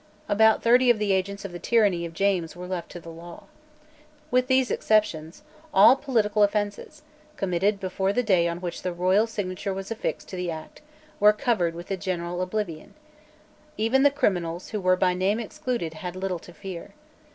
About thirty of the agents of the tyranny of James were left to the law. With these exceptions, all political offences, committed before the day on which the royal signature was affixed to the Act, were covered with a general oblivion, Even the criminals who were by name excluded had little to fear.